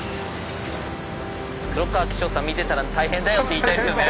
黒川紀章さん見てたら「大変だよ」って言いたいですよね。